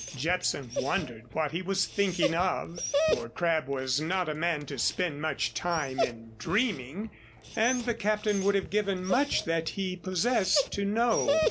Jepson wondered what he was thinking of, for Crabb was not a man to spend much time in dreaming, and the Captain would have given much that he possessed to know.